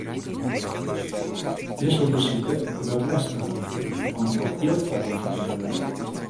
Dizze besite wurdt lestiger, want der moat jild weromfrege wurde.